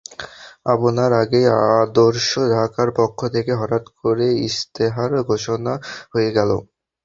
আপনার আগেই আদর্শ ঢাকার পক্ষ থেকে হঠাৎ করে ইশতেহার ঘোষণা হয়ে গেল।